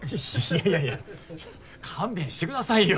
いやいや勘弁してくださいよ。